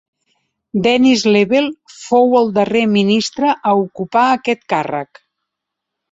Denis Lebel fou el darrer ministre a ocupar aquest càrrec.